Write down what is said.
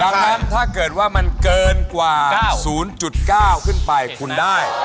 ดังนั้นถ้าเกิดว่ามันเกินกว่า๙๐๙ขึ้นไปคุณได้